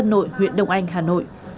nội huyện đồng anh hà nội